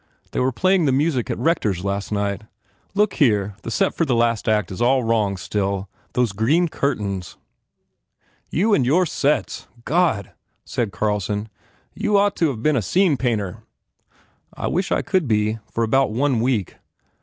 They were playing the music at Rector s last night. Look here, the set for the last act s all wrong, still. Those green curtains " 6s THE FAIR REWARDS "You and your sets! God," said Carlson, "you d ought to ve been a scene painter!" "I wish I could be, for about one week!"